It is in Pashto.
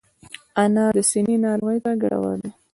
انار د سینې ناروغیو ته ګټور دی.